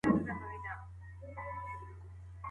ښه چلند د یوې سالمي ټولني تضمین دی.